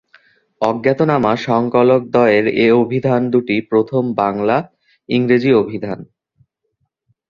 অজ্ঞাতনামা সংকলকদ্বয়ের এ অভিধান দুটি প্রথম বাংলা-ইংরেজি অভিধান।